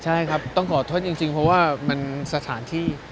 ใช่ครับต้องขอโทษจริงเพราะว่ามันสถานที่